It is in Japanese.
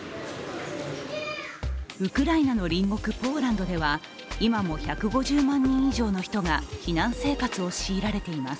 ウクライナの隣国、ポーランドでは今も１５０万人以上の人が避難生活を強いられています。